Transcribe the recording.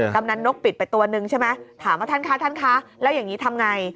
กำนันนกปิดไปตัวนึงใช่ไหมถามว่าท่านคะท่านคะแล้วอย่างนี้ทำไง